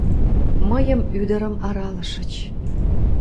Мыйым, ӱдырым, аралышыч;